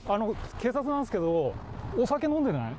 警察なんですけど、お酒飲んでない？